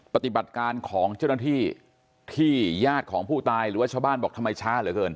ปฏิบัติการของเจ้าหน้าที่ที่ญาติของผู้ตายหรือว่าชาวบ้านบอกทำไมช้าเหลือเกิน